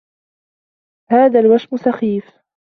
هذا الوشم سخيف.